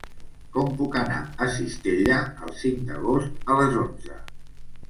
Com puc anar a Cistella el cinc d'agost a les onze?